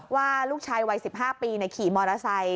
ว่าลูกชายวัย๑๕ปีขี่มอเตอร์ไซค์